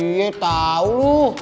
iya tau lu